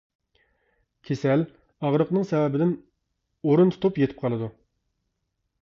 كېسەل ئاغرىقنىڭ سەۋەبىدىن ئۇرۇق تۇتۇپ يېتىپ قالىدۇ.